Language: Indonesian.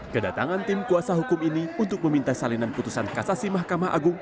kedatangan tim kuasa hukum ini untuk meminta salinan putusan kasasi mahkamah agung